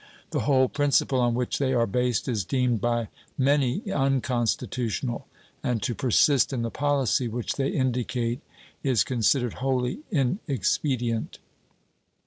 The whole principle on which they are based is deemed by many unconstitutional, and to persist in the policy which they indicate is considered wholly inexpedient.